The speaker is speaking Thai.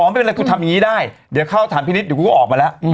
ไม่เป็นไรกูทำอย่างนี้ได้เดี๋ยวเข้าสถานพินิษฐ์เดี๋ยวกูก็ออกมาแล้ว